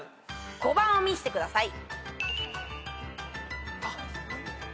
５番を見せてください。